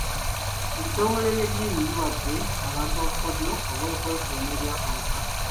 Ebitongole by'eddini biwadde abantu obukodyo bw'okwekuuma eri akawuka.